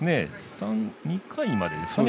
２回までですかね